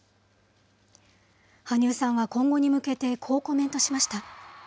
羽生さんは今後に向けて、こうコメントしました。